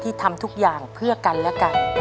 ทำทุกอย่างเพื่อกันและกัน